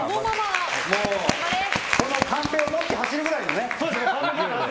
このカンペを持って走るくらいのね。